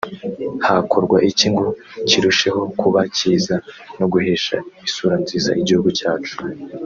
Hakorwa iki ngo kirusheho kuba cyiza no guhesha isura nziza igihugu cyacu